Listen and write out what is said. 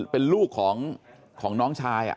เป็นลูกของน้องชาย